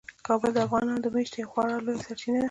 کابل د افغانانو د معیشت یوه خورا لویه سرچینه ده.